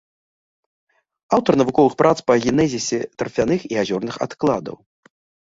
Аўтар навуковых прац па генезісе тарфяных і азёрных адкладаў.